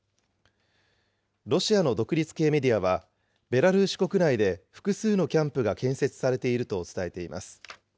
ロシアの独立系メディアは、ベラルーシ国内で複数のキャンプが建設されていると伝えています。